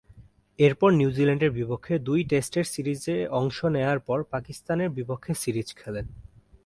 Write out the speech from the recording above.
এরপর নিউজিল্যান্ডের বিপক্ষে দুই টেস্টের সিরিজে অংশ নেয়ার পর পাকিস্তানের বিপক্ষে সিরিজ খেলেন।